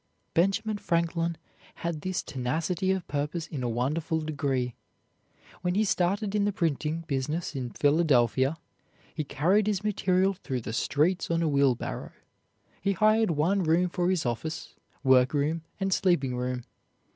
Benjamin Franklin had this tenacity of purpose in a wonderful degree. When he started in the printing business in Philadelphia, he carried his material through the streets on a wheelbarrow. He hired one room for his office, work room, and sleeping room.